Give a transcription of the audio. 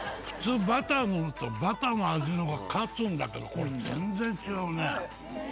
普通バター塗ると、バターの味のほうが勝つんだけど、これ全然違うね。